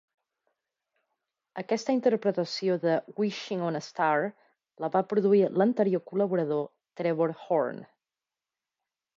Aquesta interpretació de "Wishing on a Star" la va produir l'anterior col·laborador Trevor Horn.